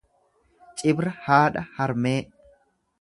Cibra haadha, harmee